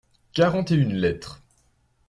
Quarante et une lettres.